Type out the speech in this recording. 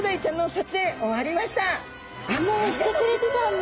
もうしてくれてたんだ。